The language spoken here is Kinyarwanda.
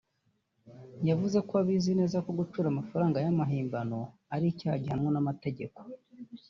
yavuze ko abizi neza ko gucura amafaranga y’amahimbano ari icyaha gihanwa n’amategeko